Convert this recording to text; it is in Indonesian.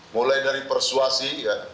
mulai dari persuasi